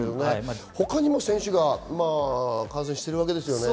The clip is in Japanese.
他にも選手が感染しているわけですよね。